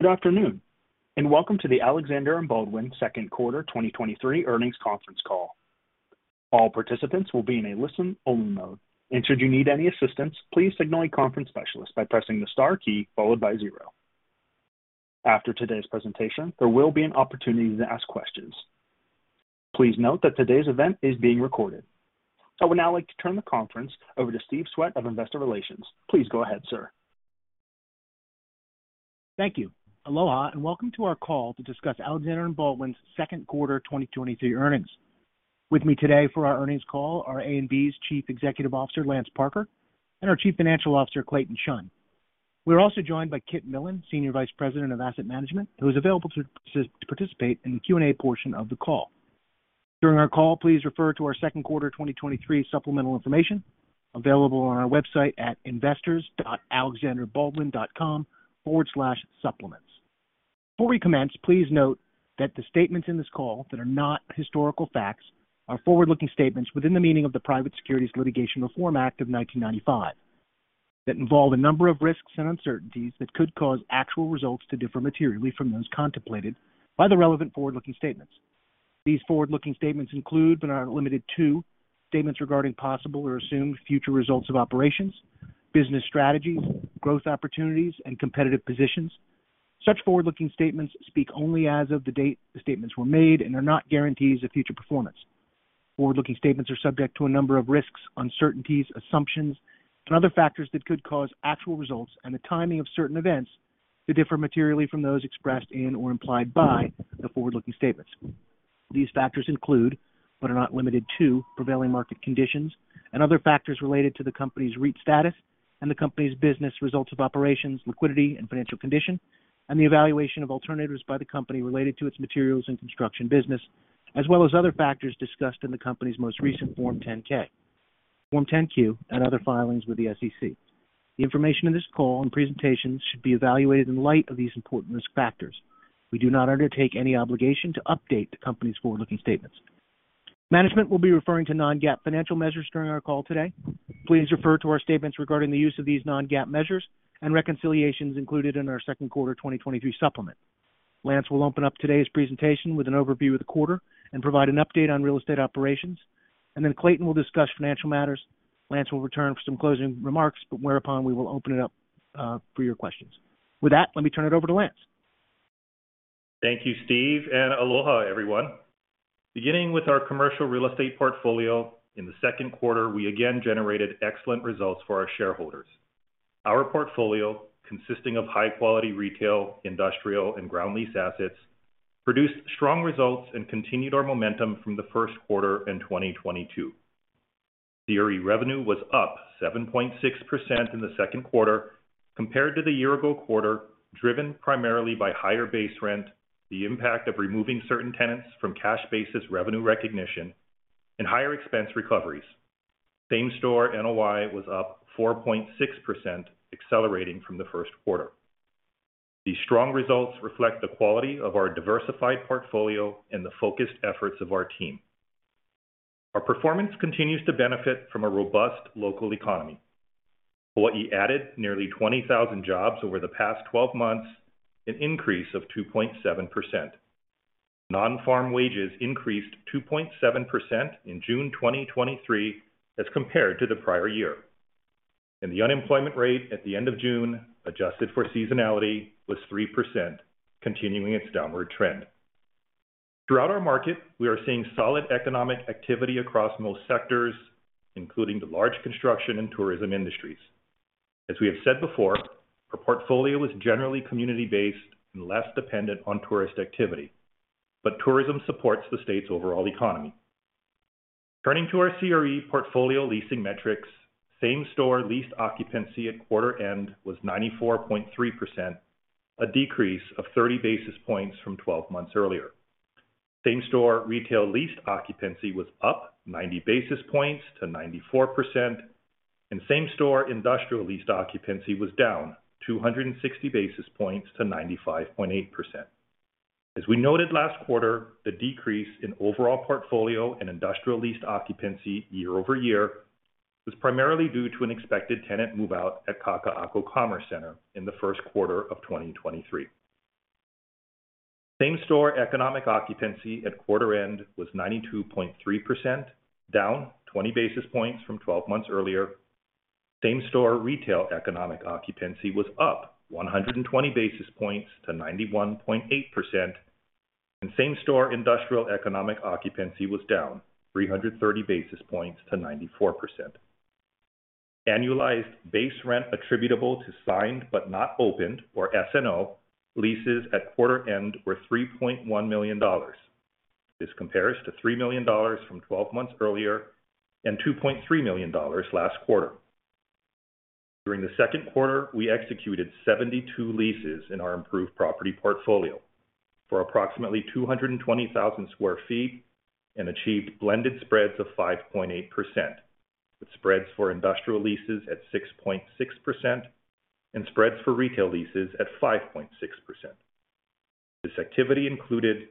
Good afternoon, welcome to the Alexander & Baldwin second quarter 2023 earnings conference call. All participants will be in a listen-only mode, and should you need any assistance, please signal a conference specialist by pressing the star key followed by 0. After today's presentation, there will be an opportunity to ask questions. Please note that today's event is being recorded. I would now like to turn the conference over to Steve Swett of Investor Relations. Please go ahead, sir. Thank you. Aloha, and welcome to our call to discuss Alexander & Baldwin's second quarter 2023 earnings. With me today for our earnings call are A&B's Chief Executive Officer, Lance Parker, and our Chief Financial Officer, Clayton Chun. We're also joined by Kit Millan, Senior Vice President of Asset Management, who is available to participate in the Q&A portion of the call. During our call, please refer to our second quarter 2023 supplemental information available on our website at investors.alexanderbaldwin.com/supplements. Before we commence, please note that the statements in this call that are not historical facts are forward-looking statements within the meaning of the Private Securities Litigation Reform Act of 1995, that involve a number of risks and uncertainties that could cause actual results to differ materially from those contemplated by the relevant forward-looking statements. These forward-looking statements include, but are not limited to, statements regarding possible or assumed future results of operations, business strategies, growth opportunities, and competitive positions. Such forward-looking statements speak only as of the date the statements were made and are not guarantees of future performance. Forward-looking statements are subject to a number of risks, uncertainties, assumptions, and other factors that could cause actual results and the timing of certain events to differ materially from those expressed in or implied by the forward-looking statements. These factors include, but are not limited to, prevailing market conditions and other factors related to the company's REIT status and the company's business results of operations, liquidity, and financial condition, and the evaluation of alternatives by the company related to its materials and construction business, as well as other factors discussed in the company's most recent Form 10-K, Form 10-Q, and other filings with the SEC. The information in this call and presentations should be evaluated in light of these important risk factors. We do not undertake any obligation to update the company's forward-looking statements. Management will be referring to non-GAAP financial measures during our call today. Please refer to our statements regarding the use of these non-GAAP measures and reconciliations included in our second quarter 2023 supplement. Lance will open up today's presentation with an overview of the quarter and provide an update on real estate operations, and then Clayton will discuss financial matters. Lance will return for some closing remarks, but whereupon we will open it up for your questions. With that, let me turn it over to Lance. Thank you, Steve, and aloha, everyone. Beginning with our commercial real estate portfolio, in the second quarter, we again generated excellent results for our shareholders. Our portfolio, consisting of high-quality retail, industrial, and ground lease assets, produced strong results and continued our momentum from the first quarter in 2022. CRE revenue was up 7.6% in the second quarter compared to the year-ago quarter, driven primarily by higher base rent, the impact of removing certain tenants from cash basis revenue recognition, and higher expense recoveries. Same-Store NOI was up 4.6%, accelerating from the first quarter. These strong results reflect the quality of our diversified portfolio and the focused efforts of our team. Our performance continues to benefit from a robust local economy. Hawaii added nearly 20,000 jobs over the past 12 months, an increase of 2.7%. Non-farm wages increased 2.7% in June 2023 as compared to the prior year, and the unemployment rate at the end of June, adjusted for seasonality, was 3%, continuing its downward trend. Throughout our market, we are seeing solid economic activity across most sectors, including the large construction and tourism industries. As we have said before, our portfolio is generally community-based and less dependent on tourist activity, but tourism supports the state's overall economy. Turning to our CRE portfolio leasing metrics, Same-Store leased occupancy at quarter end was 94.3%, a decrease of 30 basis points from 12 months earlier. Same-Store retail leased occupancy was up 90 basis points to 94%, and Same-Store industrial leased occupancy was down 260 basis points to 95.8%. As we noted last quarter, the decrease in overall portfolio and industrial leased occupancy year-over-year was primarily due to an expected tenant move out at Kaka'ako Commerce Center in the first quarter of 2023. Same-store economic occupancy at quarter end was 92.3%, down 20 basis points from 12 months earlier. Same-store retail economic occupancy was up 120 basis points to 91.8%, and same-store industrial economic occupancy was down 330 basis points to 94%. Annualized base rent attributable to signed but not opened, or SNO, leases at quarter end were $3.1 million. This compares to $3 million from 12 months earlier and $2.3 million last quarter. During the second quarter, we executed 72 leases in our improved property portfolio for approximately 220,000 sq ft and achieved blended spreads of 5.8%, with spreads for industrial leases at 6.6% and spreads for retail leases at 5.6%. This activity included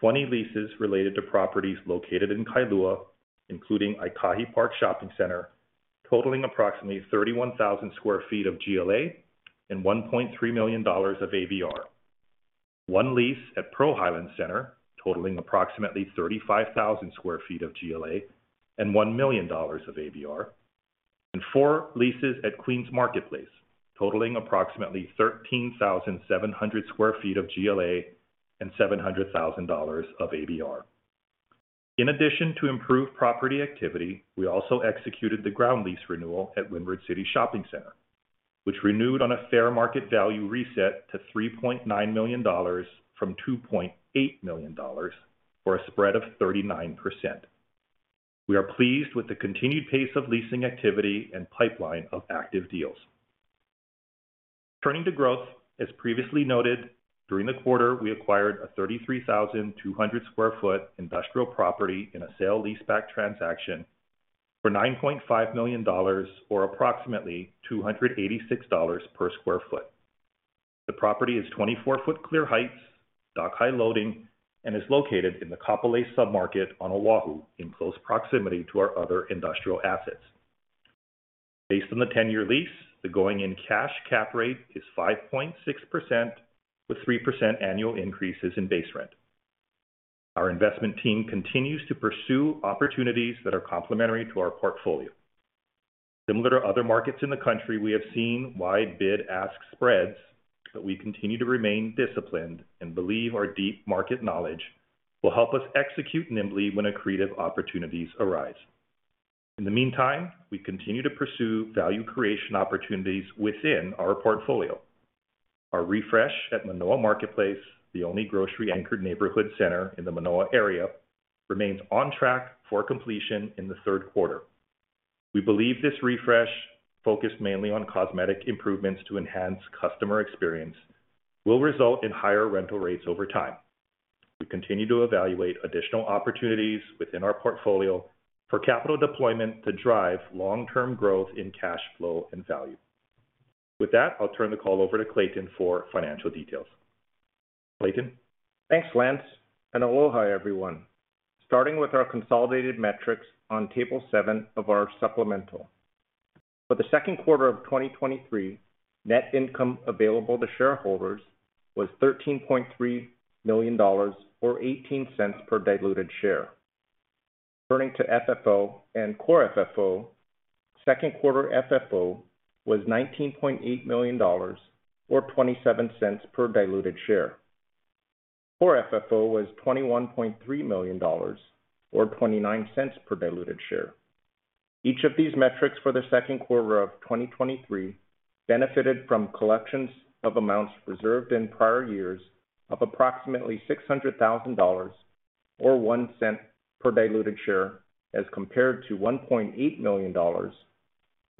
20 leases related to properties located in Kailua, including Aikahi Park Shopping Center, totaling approximately 31,000 sq ft of GLA and $1.3 million of ABR. 1 lease at Pearl Highlands Center, totaling approximately 35,000 sq ft of GLA and $1 million of ABR, and 4 leases at Queens Marketplace, totaling approximately 13,700 sq ft of GLA and $700,000 of ABR. In addition to improved property activity, we also executed the ground lease renewal at Windward City Shopping Center, which renewed on a fair market value reset to $3.9 million from $2.8 million, for a spread of 39%. We are pleased with the continued pace of leasing activity and pipeline of active deals. Turning to growth, as previously noted, during the quarter, we acquired a 33,200 sq ft industrial property in a sale leaseback transaction for $9.5 million or approximately $286 per sq ft. The property is 24-foot clear heights, dock-high loading, and is located in the Kapolei submarket on Oahu, in close proximity to our other industrial assets. Based on the 10-year lease, the going-in cash cap rate is 5.6%, with 3% annual increases in base rent. Our investment team continues to pursue opportunities that are complementary to our portfolio. Similar to other markets in the country, we have seen wide bid-ask spreads. We continue to remain disciplined and believe our deep market knowledge will help us execute nimbly when accretive opportunities arise. In the meantime, we continue to pursue value creation opportunities within our portfolio. Our refresh at Manoa Marketplace, the only grocery-anchored neighborhood center in the Manoa area, remains on track for completion in the third quarter. We believe this refresh, focused mainly on cosmetic improvements to enhance customer experience, will result in higher rental rates over time. We continue to evaluate additional opportunities within our portfolio for capital deployment to drive long-term growth in cash flow and value. With that, I'll turn the call over to Clayton for financial details. Clayton? Thanks, Lance. Aloha, everyone. Starting with our consolidated metrics on table 7 of our supplemental. For the second quarter of 2023, net income available to shareholders was $13.3 million, or $0.18 per diluted share. Turning to FFO and Core FFO, second quarter FFO was $19.8 million, or $0.27 per diluted share. Core FFO was $21.3 million, or $0.29 per diluted share. Each of these metrics for the second quarter of 2023 benefited from collections of amounts reserved in prior years of approximately $600,000, or $0.01 per diluted share, as compared to $1.8 million, or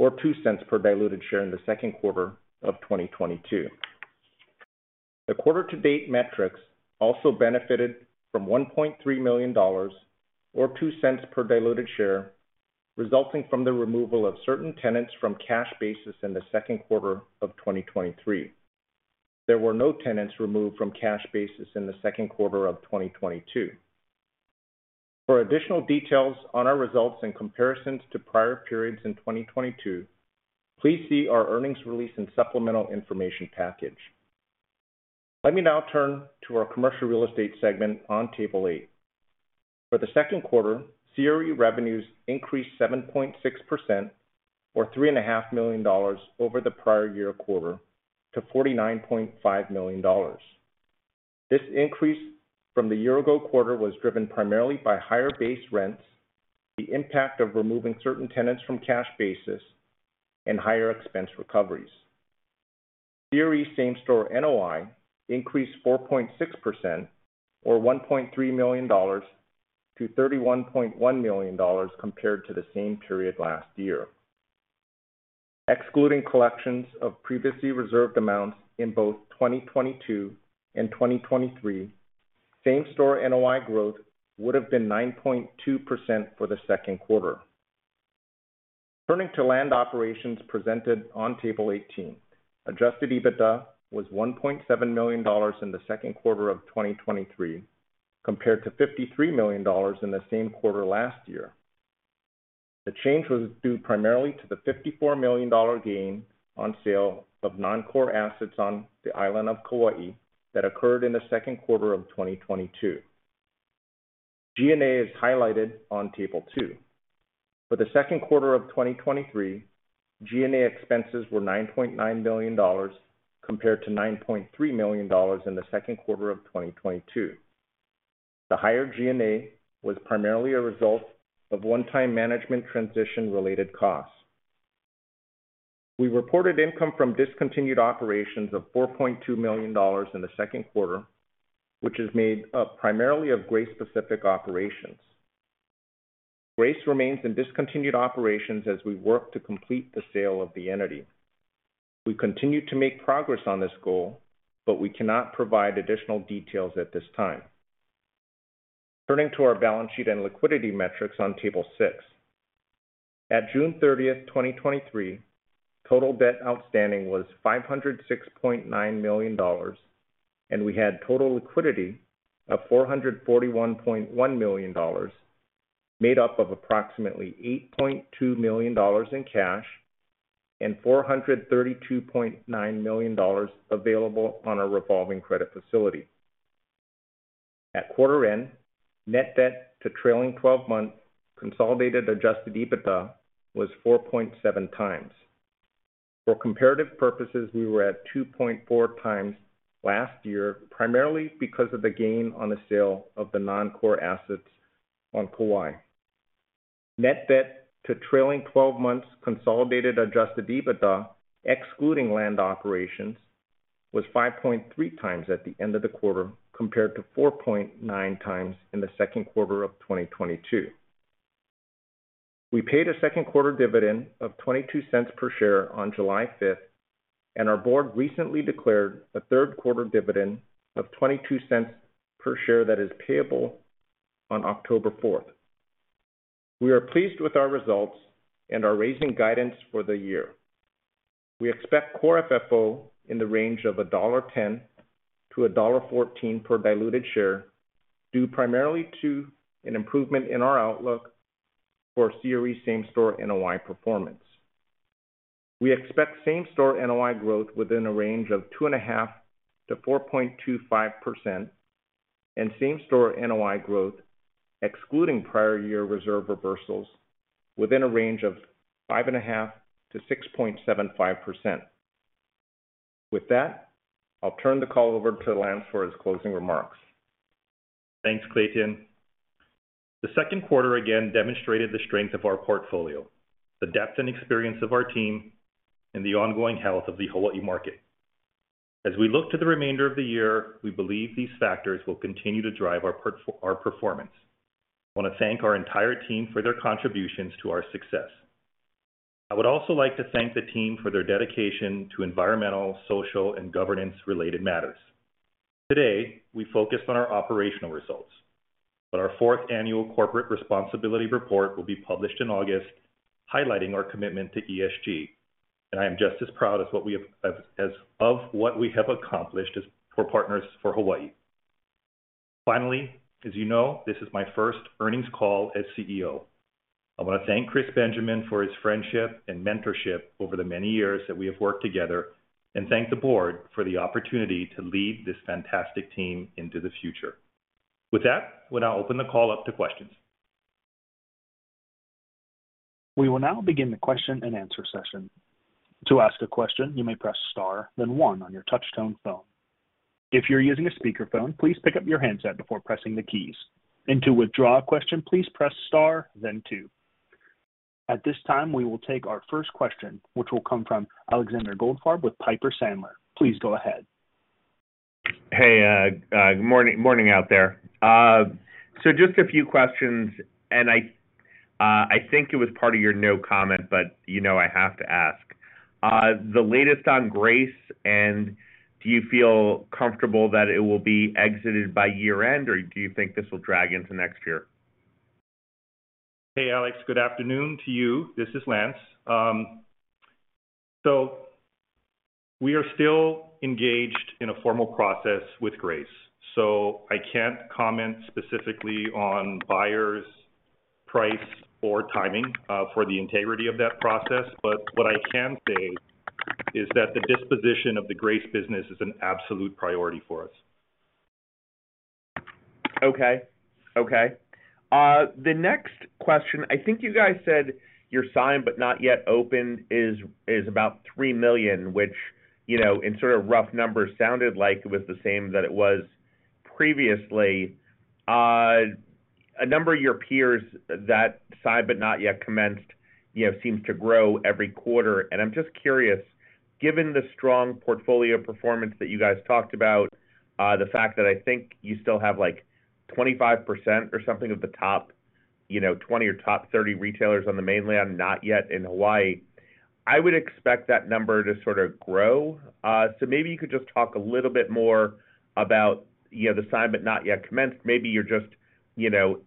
$0.02 per diluted share in the second quarter of 2022. The quarter-to-date metrics also benefited from $1.3 million, or $0.02 per diluted share, resulting from the removal of certain tenants from cash basis in the second quarter of 2023. There were no tenants removed from cash basis in the second quarter of 2022. For additional details on our results in comparisons to prior periods in 2022, please see our earnings release and supplemental information package. Let me now turn to our commercial real estate segment on table 8. For the second quarter, CRE revenues increased 7.6%, or $3.5 million over the prior year quarter, to $49.5 million. This increase from the year ago quarter was driven primarily by higher base rents, the impact of removing certain tenants from cash basis, and higher expense recoveries. CRE Same-Store NOI increased 4.6%, or $1.3 million, to $31.1 million compared to the same period last year. Excluding collections of previously reserved amounts in both 2022 and 2023, Same-Store NOI growth would have been 9.2% for the second quarter. Turning to land operations presented on table 18. Adjusted EBITDA was $1.7 million in the second quarter of 2023, compared to $53 million in the same quarter last year. The change was due primarily to the $54 million gain on sale of non-core assets on the island of Kauai that occurred in the second quarter of 2022. G&A is highlighted on table 2. For the second quarter of 2023, G&A expenses were $9.9 million, compared to $9.3 million in the second quarter of 2022. The higher G&A was primarily a result of one-time management transition-related costs. We reported income from discontinued operations of $4.2 million in the second quarter, which is made up primarily of Grace Pacific operations. Grace remains in discontinued operations as we work to complete the sale of the entity. We continue to make progress on this goal, but we cannot provide additional details at this time. Turning to our balance sheet and liquidity metrics on Table 6. At June 30, 2023, total debt outstanding was $506.9 million, and we had total liquidity of $441.1 million, made up of approximately $8.2 million in cash and $432.9 million available on our revolving credit facility. At quarter end, Net Debt to Trailing Twelve-Month Consolidated Adjusted EBITDA was 4.7 times. For comparative purposes, we were at 2.4 times last year, primarily because of the gain on the sale of the non-core assets on Kauai. Net Debt to Trailing Twelve-Month Consolidated Adjusted EBITDA, excluding land operations, was 5.3 times at the end of the quarter, compared to 4.9 times in the second quarter of 2022. We paid a second quarter dividend of $0.22 per share on July fifth, and our board recently declared a third quarter dividend of $0.22 per share that is payable on October fourth. We are pleased with our results and are raising guidance for the year. We expect Core FFO in the range of $1.10-$1.14 per diluted share, due primarily to an improvement in our outlook for CRE Same-Store NOI performance. We expect Same-Store NOI growth within a range of 2.5%-4.25%, and Same-Store NOI growth, excluding prior year reserve reversals, within a range of 5.5%-6.75%. With that, I'll turn the call over to Lance for his closing remarks. Thanks, Clayton Chun. The second quarter again demonstrated the strength of our portfolio, the depth and experience of our team, and the ongoing health of the Hawaii market. As we look to the remainder of the year, we believe these factors will continue to drive our performance. I want to thank our entire team for their contributions to our success. I would also like to thank the team for their dedication to environmental, social, and governance-related matters. Today, we focused on our operational results, but our fourth annual Corporate Responsibility Report will be published in August, highlighting our commitment to ESG, and I am just as proud as of what we have accomplished as for partners for Hawaii. Finally, as you know, this is my first earnings call as CEO.I want to thank Chris Benjamin for his friendship and mentorship over the many years that we have worked together, and thank the board for the opportunity to lead this fantastic team into the future. With that, we'll now open the call up to questions. We will now begin the question and answer session. To ask a question, you may press star, then 1 on your touchtone phone. If you're using a speakerphone, please pick up your handset before pressing the keys. To withdraw a question, please press star, then 2. At this time, we will take our first question, which will come from Alexander Goldfarb with Piper Sandler. Please go ahead. Hey, good morning out there. Just a few questions, and I, I think it was part of your no comment, but, you know, I have to ask. The latest on Grace, and do you feel comfortable that it will be exited by year-end, or do you think this will drag into next year? Hey, Alex, good afternoon to you. This is Lance. We are still engaged in a formal process with Grace, so I can't comment specifically on buyers, price, or timing, for the integrity of that process, but what I can say is that the disposition of the Grace business is an absolute priority for us. Okay. Okay. The next question, I think you guys said your signed but not yet opened is, is about $3 million, which, you know, in sort of rough numbers, sounded like it was the same that it was previously. A number of your peers that signed but not yet commenced, you know, seems to grow every quarter. I'm just curious, given the strong portfolio performance that you guys talked about, the fact that I think you still have, like, 25% or something of the top, you know, 20 or top 30 retailers on the mainland, not yet in Hawaii, I would expect that number to sort of grow. So maybe you could just talk a little bit more about, you know, the signed but not yet commenced. Maybe you're just, you know,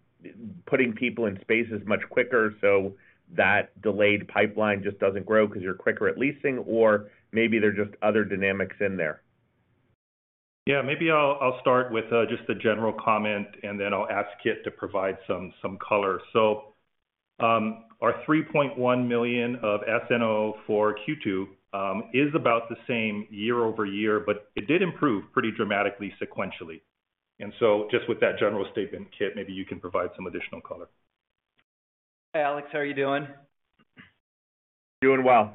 putting people in spaces much quicker, so that delayed pipeline just doesn't grow because you're quicker at leasing, or maybe there are just other dynamics in there. Yeah, maybe I'll, I'll start with just a general comment, and then I'll ask Kit to provide some color. Our $3.1 million of SNO for Q2 is about the same year-over-year, but it did improve pretty dramatically sequentially. Just with that general statement, Kit, maybe you can provide some additional color. Hey, Alex, how are you doing? Doing well.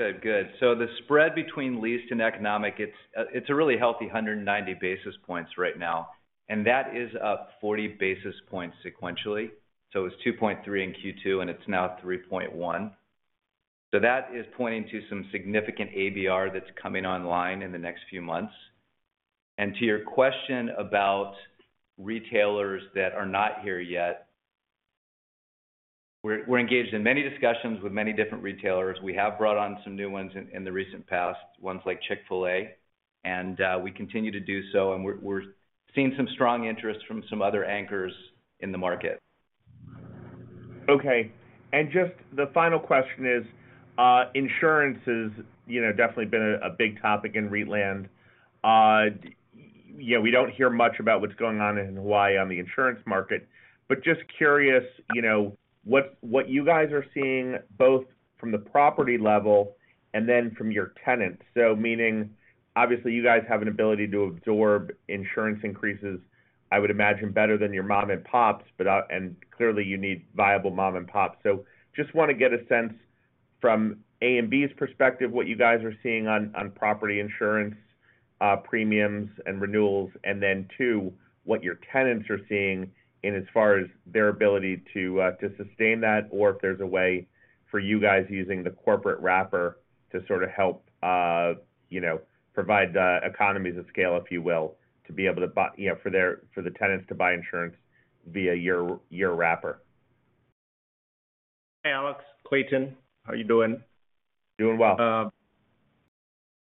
Good. Good. The spread between leased and economic, it's, it's a really healthy 190 basis points right now, and that is up 40 basis points sequentially. It was 2.3 in Q2, and it's now 3.1. That is pointing to some significant ABR that's coming online in the next few months. To your question about retailers that are not here yet-... we're engaged in many discussions with many different retailers. We have brought on some new ones in the recent past, ones like Chick-fil-A, and we continue to do so, and we're seeing some strong interest from some other anchors in the market. Okay. Just the final question is, insurance has, you know, definitely been a big topic in retail land. You know, we don't hear much about what's going on in Hawaii on the insurance market, just curious, you know, what, what you guys are seeing, both from the property level and then from your tenants. Meaning, obviously, you guys have an ability to absorb insurance increases, I would imagine, better than your mom-and-pops, but clearly, you need viable mom-and-pops. just wanna get a sense from A&B's perspective, what you guys are seeing on, on property insurance, premiums and renewals, and then, 2, what your tenants are seeing in as far as their ability to sustain that, or if there's a way for you guys using the corporate wrapper to sort of help, you know, provide economies of scale, if you will, to be able to, you know, for their, for the tenants to buy insurance via your, your wrapper. Hey, Alex. Clayton, how are you doing? Doing well.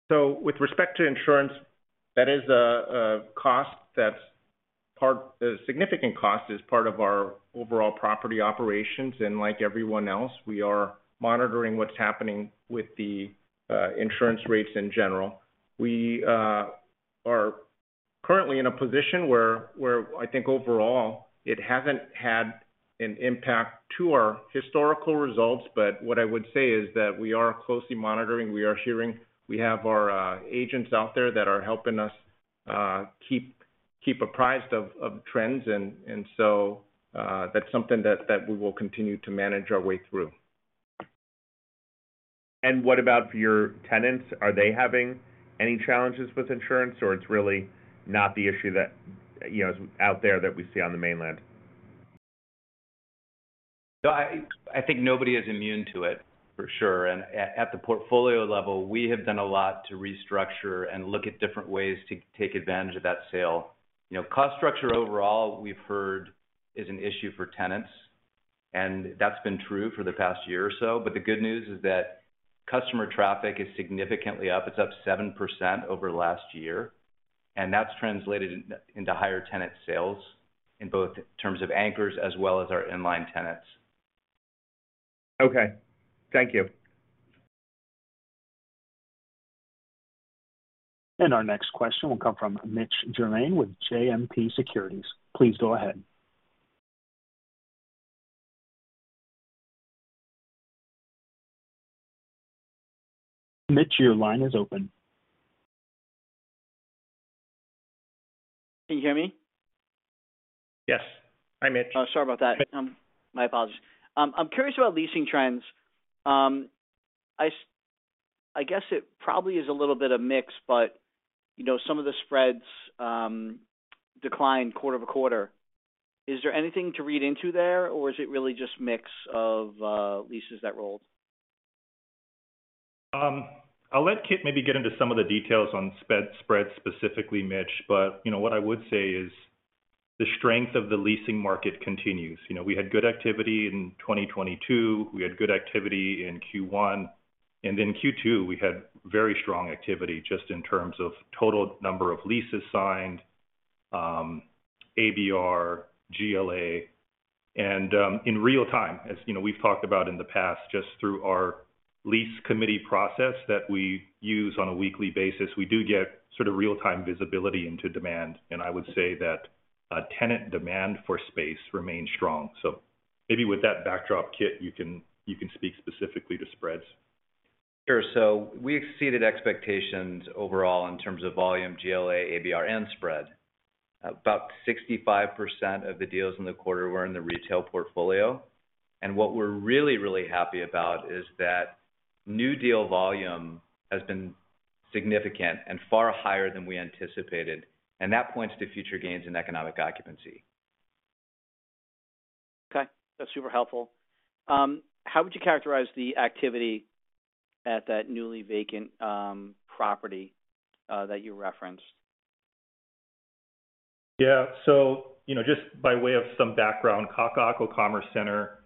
With respect to insurance, that is a, a cost that's part-- a significant cost, is part of our overall property operations, and like everyone else, we are monitoring what's happening with the insurance rates in general. We are currently in a position where, where I think overall, it hasn't had an impact to our historical results. What I would say is that we are closely monitoring, we are sharing. We have our agents out there that are helping us keep, keep appraised of, of trends. That's something that we will continue to manage our way through. What about for your tenants? Are they having any challenges with insurance, or it's really not the issue that, you know, is out there that we see on the mainland? I, I think nobody is immune to it, for sure. At, at the portfolio level, we have done a lot to restructure and look at different ways to take advantage of that sale. You know, cost structure overall, we've heard, is an issue for tenants, and that's been true for the past year or so. The good news is that customer traffic is significantly up. It's up 7% over last year, and that's translated into higher tenant sales in both terms of anchors as well as our inline tenants. Okay, thank you. Our next question will come from Mitch Germain with JMP Securities. Please go ahead. Mitch, your line is open. Can you hear me? Yes. Hi, Mitch. Oh, sorry about that. My apologies. I'm curious about leasing trends. I guess it probably is a little bit of mix, but, you know, some of the spreads declined quarter-over-quarter. Is there anything to read into there, or is it really just mix of leases that rolled? I'll let Kit maybe get into some of the details on spread specifically, Mitch, you know, what I would say is the strength of the leasing market continues. You know, we had good activity in 2022, we had good activity in Q1, Q2, we had very strong activity, just in terms of total number of leases signed, ABR, GLA. In real time, as, you know, we've talked about in the past, just through our lease committee process that we use on a weekly basis, we do get sort of real-time visibility into demand. I would say that tenant demand for space remains strong. Maybe with that backdrop, Kit, you can, you can speak specifically to spreads. Sure. We exceeded expectations overall in terms of volume, GLA, ABR, and spread. About 65% of the deals in the quarter were in the retail portfolio, and what we're really, really happy about is that new deal volume has been significant and far higher than we anticipated, and that points to future gains in economic occupancy. Okay, that's super helpful. How would you characterize the activity at that newly vacant property that you referenced? Yeah. you know, just by way of some background, Kakaako Commerce Center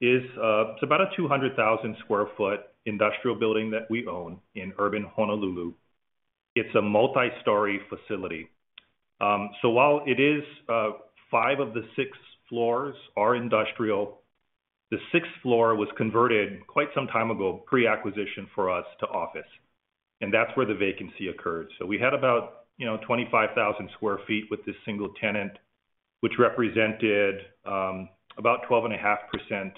is, it's about a 200,000 sq ft industrial building that we own in urban Honolulu. It's a multi-story facility. While it is, 5 of the 6 floors are industrial, the sixth floor was converted quite some time ago, pre-acquisition for us, to office, and that's where the vacancy occurred. We had about, you know, 25,000 sq ft with this single tenant, which represented, about 12.5%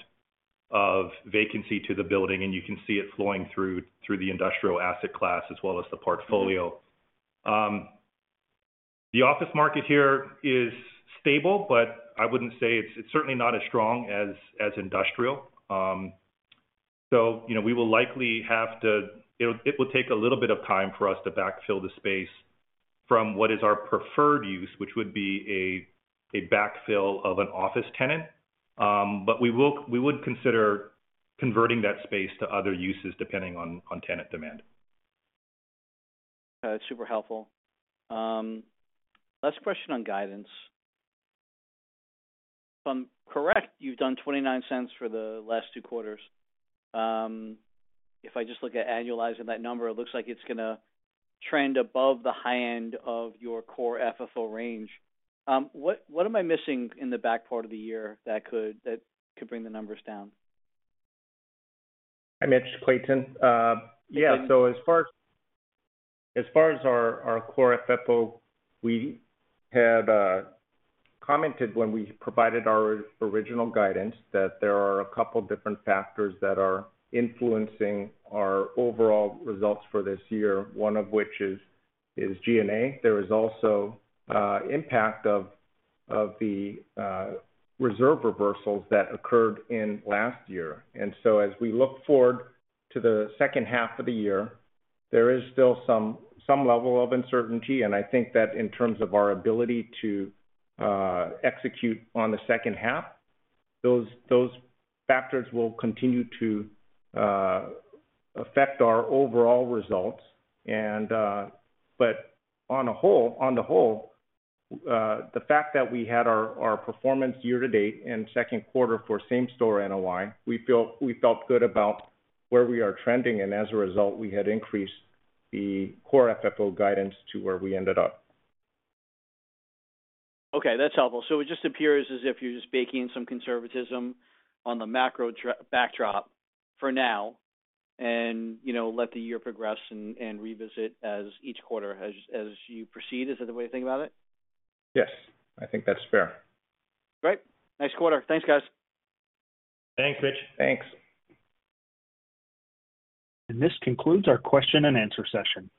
of vacancy to the building, and you can see it flowing through, through the industrial asset class as well as the portfolio. The office market here is stable, but I wouldn't say it's. It's certainly not as strong as, as industrial. You know, we will likely have to, it will take a little bit of time for us to backfill the space from what is our preferred use, which would be a, a backfill of an office tenant. We would consider converting that space to other uses, depending on, on tenant demand.... super helpful. Last question on guidance. If I'm correct, you've done $0.29 for the last two quarters. If I just look at annualizing that number, it looks like it's gonna trend above the high end of your Core FFO range. What, what am I missing in the back part of the year that could, that could bring the numbers down? Hi, Mitch, Clayton. Yeah, so as far, as far as our, our Core FFO, we had commented when we provided our original guidance that there are a couple different factors that are influencing our overall results for this year, one of which is, is G&A. There is also, impact of, of the, reserve reversals that occurred in last year. So as we look forward to the second half of the year, there is still some, some level of uncertainty, and I think that in terms of our ability to execute on the second half, those, those factors will continue to affect our overall results. On a whole, on the whole, the fact that we had our, our performance year-to-date and second quarter for Same-Store NOI, we feel, we felt good about where we are trending, and as a result, we had increased the Core FFO guidance to where we ended up. Okay, that's helpful. It just appears as if you're just baking in some conservatism on the macro backdrop for now and, you know, let the year progress and, and revisit as each quarter as, as you proceed. Is that the way to think about it? Yes, I think that's fair. Great. Nice quarter. Thanks, guys. Thanks, Mitch. Thanks. This concludes our question and answer session.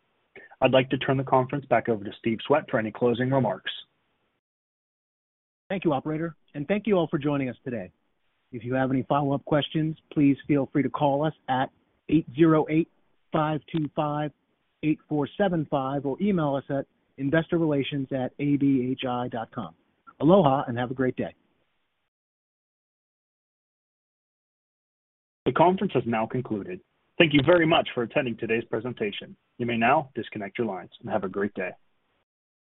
I'd like to turn the conference back over to Steve Swett for any closing remarks. Thank you, Operator, and thank you all for joining us today. If you have any follow-up questions, please feel free to call us at 808-525-8475 or email us at investorrelations@abhi.com. Aloha, and have a great day. The conference has now concluded. Thank you very much for attending today's presentation. You may now disconnect your lines, and have a great day.